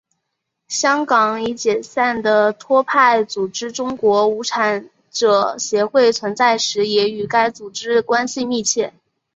香港已解散的托派组织中国无产者协会存在时也与该组织关系密切。